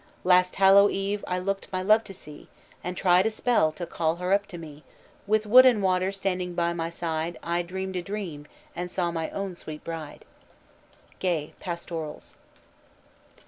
"Last Hallow Eve I looked my love to see, And tried a spell to call her up to me. With wood and water standing by my side I dreamed a dream, and saw my own sweet bride." GAY: _Pastorals.